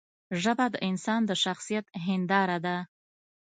ژبه د انسان د شخصیت هنداره ده